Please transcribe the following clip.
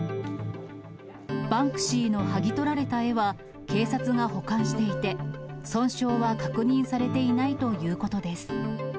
バンクシーの剥ぎ取られた絵は、警察が保管していて、損傷は確認されていないということです。